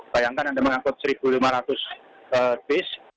bayangkan anda mengangkut satu lima ratus bis